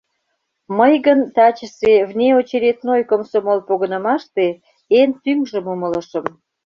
Мый гын тачысе внеочередной комсомол погынымаште эн тӱҥжым умылышым.